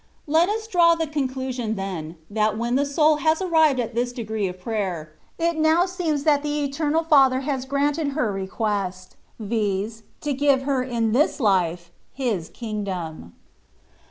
Let us draw the conclusion then, that when the soul has arrived at this degree of prayer, it now seems that the eternal Father has granted her re quest, viz., to give her in this life His kingdom.